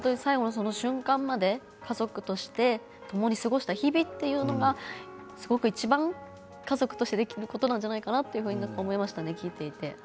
その瞬間まで家族としてともに過ごした日々というのがすごくいちばん家族としてできることなんじゃないかなと思いましたね、聞いていて。